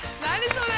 それ。